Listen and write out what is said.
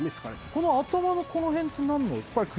この頭のこの辺って何の？